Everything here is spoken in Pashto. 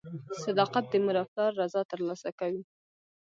• صداقت د مور او پلار رضا ترلاسه کوي.